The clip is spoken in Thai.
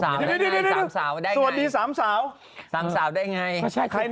สวัสดีสามสาวได้ไง